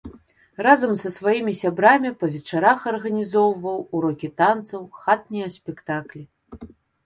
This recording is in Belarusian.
Разам са сваімі сябрамі па вечарах арганізоўваў урокі танцаў, хатнія спектаклі.